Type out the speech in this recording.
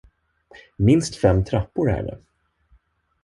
Minst fem trappor är det.